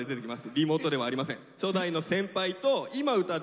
リモートではありません。